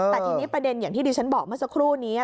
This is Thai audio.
แต่ทีนี้ประเด็นอย่างที่ดิฉันบอกเมื่อสักครู่นี้